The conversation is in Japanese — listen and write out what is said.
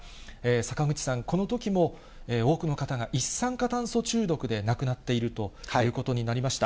坂口さん、このときも、多くの方が一酸化炭素中毒で亡くなっているということになりました。